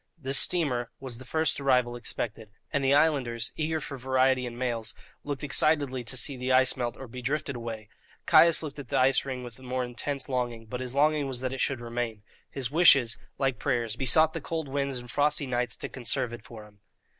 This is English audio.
This steamer was the first arrival expected, and the islanders, eager for variety and mails, looked excitedly to see the ice melt or be drifted away. Caius looked at the ice ring with more intense longing, but his longing was that it should remain. His wishes, like prayers, besought the cold winds and frosty nights to conserve it for him.